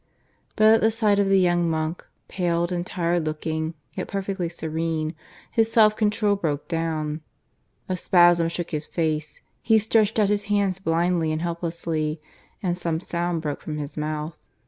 . But at the sight of the young monk, paled and tired looking, yet perfectly serene, his self control broke down. A spasm shook his face; he stretched out his hands blindly and helplessly, and some sound broke from his mouth.